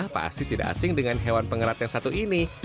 pasti tidak asing dengan hewan pengerat yang satu ini